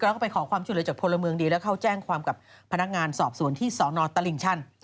แล้วก็ไปขอความช่วยเหลือจากพลเมืองดีแล้วเข้าแจ้งความกับพนักงานสอบสวนที่สนตลิ่งชัน